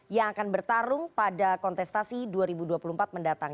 yang akan bertarung pada kontestasi dua ribu dua puluh empat mendatang